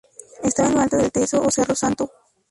Estaba en lo alto del Teso o Cerro Santo.